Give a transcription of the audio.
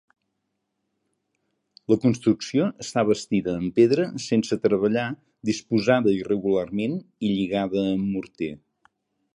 La construcció està bastida en pedra sense treballar disposada irregularment i lligada amb morter.